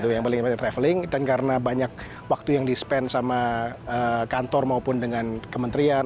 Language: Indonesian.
yang paling penting traveling dan karena banyak waktu yang di spend sama kantor maupun dengan kementerian